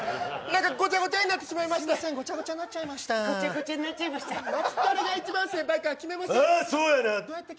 何かごちゃごちゃになってしまいまして。